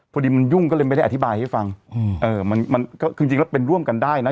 พอดีมันยุ่งก็เลยไม่ได้อธิบายให้ฟังอืมเออมันมันก็คือจริงแล้วเป็นร่วมกันได้นะ